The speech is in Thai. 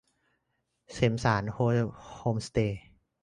แสมสารโฮมสเตย์